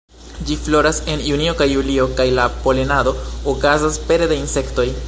Ĝi floras en junio kaj julio, kaj la polenado okazas pere de insektoj.